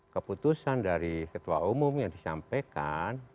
keputusan dari ketua umum yang disampaikan